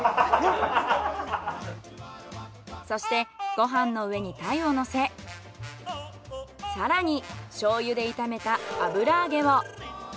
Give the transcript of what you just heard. そしてご飯の上に鯛をのせ更に醤油で炒めた油揚げを。